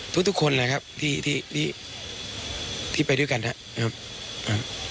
ทุกทุกคนแหละครับที่ที่ที่ไปด้วยกันครับครับครับ